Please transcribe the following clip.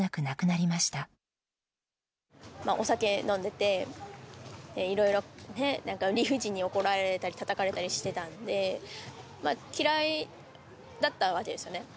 お酒を飲んでて、いろいろなんか理不尽に怒られたり、たたかれたりしてたんで、嫌いだったわけですよね。